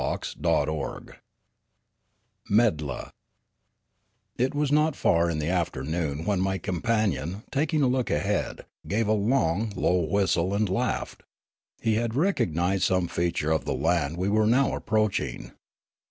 CHAPTER XVIII MEDDLA IT was not far in the afternoon when ni}^ companion, taking a look ahead, gave a long, low whistle and laughed. He had recognised some feature of the land we were now approaching.